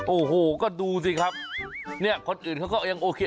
โอ้โหก็ดูสิครับเนี่ยคนอื่นเขาก็ยังโอเค